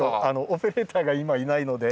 オペレーターが今いないので。